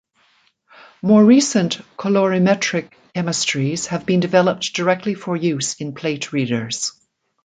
More recent colorimetric chemistries have been developed directly for use in plate readers.